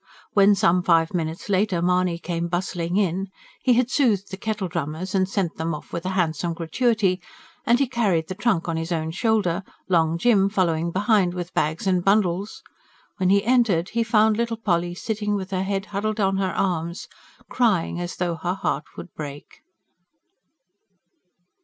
When, some five minutes later, Mahony came bustling in: he had soothed the "kettledrummers" and sent them off with a handsome gratuity, and he carried the trunk on his own shoulder, Long Jim following behind with bags and bundles: when he entered, he found little Polly sitting with her head huddled on her arms, crying as though her heart would break.